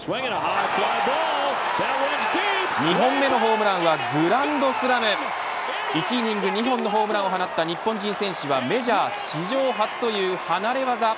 ２本目のホームはグランドスラム１イニング２本のホームランを放った日本人選手はメジャー史上初という離れ技。